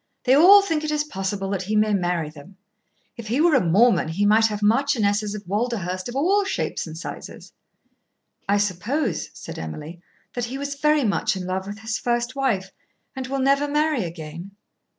They all think it is possible that he may marry them. If he were a Mormon he might have marchionesses of Walderhurst of all shapes and sizes." "I suppose," said Emily, "that he was very much in love with his first wife and will never marry again."